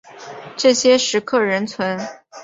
这些石刻仍存。